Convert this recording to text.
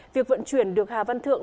việc vận chuyển được hà văn thượng